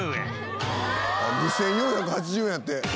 「あっ２４８０円やって」